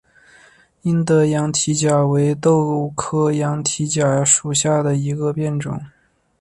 英德羊蹄甲为豆科羊蹄甲属下的一个变种。